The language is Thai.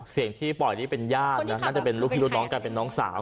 เสียงที่ปล่อยนี่เป็นญาตินะน่าจะเป็นลูกพี่ลูกน้องกันเป็นน้องสาว